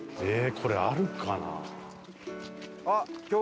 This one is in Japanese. これあるかな？